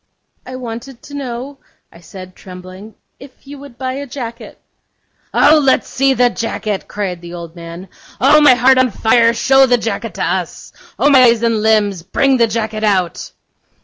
'I wanted to know,' I said, trembling, 'if you would buy a jacket.' 'Oh, let's see the jacket!' cried the old man. 'Oh, my heart on fire, show the jacket to us! Oh, my eyes and limbs, bring the jacket out!